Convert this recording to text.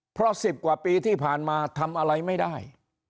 เพราะ๑๐กว่าปีที่ผ่านมาทำอะไรไม่ได้